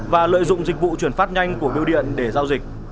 và lợi dụng dịch vụ chuyển phát nhanh của biêu điện để giao dịch